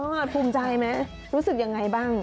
โอ้โฮสุดยอดภูมิใจไหมรู้สึกยังไงบ้าง